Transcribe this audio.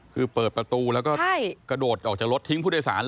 คือเปิดประตูแล้วก็กระโดดออกจากรถทิ้งผู้โดยสาร